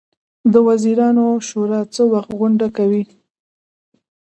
د وزیرانو شورا څه وخت غونډه کوي؟